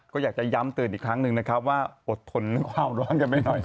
ก็อยากจะย้ำเตือนอีกครั้งหนึ่งนะครับว่าอดทนความร้อนกันไปหน่อย